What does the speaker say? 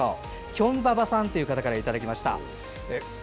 きょんばばさんからいただきました。